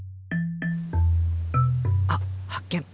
あっ発見！